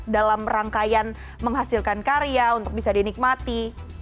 dalam rangkaian menghasilkan karya untuk bisa dinikmati